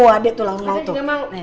adek tuh langsung mau tuh